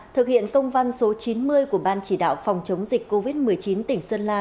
thực hiện công văn số chín mươi của ban chỉ đạo phòng chống dịch covid một mươi chín tỉnh sơn la